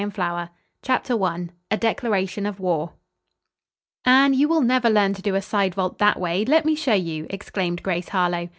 COMMENCEMENT CHAPTER I A DECLARATION OF WAR "Anne, you will never learn to do a side vault that way. Let me show you," exclaimed Grace Harlowe.